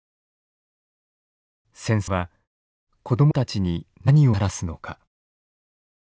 戦争は子どもたちに何をもたらすのか。